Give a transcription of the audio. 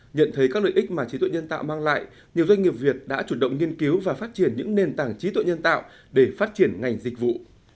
nhận thấy các lợi ích mà trí tuệ nhân tạo mang lại nhiều doanh nghiệp việt đã chủ động nghiên cứu và phát triển những nền tảng trí tuệ nhân tạo để phát triển ngành dịch vụ